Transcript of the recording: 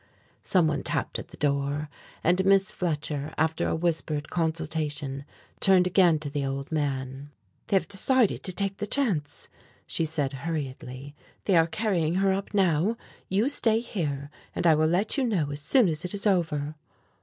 Someone tapped at the door and Miss Fletcher, after a whispered consultation, turned again to the old man: "They have decided to take the chance," she said hurriedly. "They are carrying her up now. You stay here, and I will let you know as soon as it is over."